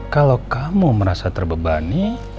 kalo kamu merasa terbebani